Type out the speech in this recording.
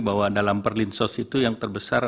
bahwa dalam perlinsos itu yang terbesar